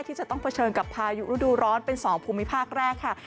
ที่จะต้องเผชิญกับพายุฤดูร้อนเป็น๒ภูมิภาคแรกค่ะ